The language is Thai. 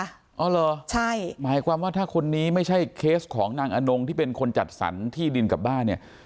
อ๋อเหรอใช่หมายความว่าถ้าคนนี้ไม่ใช่เคสของนางอนงที่เป็นคนจัดสรรที่ดินกลับบ้านเนี่ย